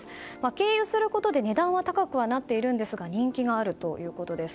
経由することで値段は高くなっているんですが人気があるということです。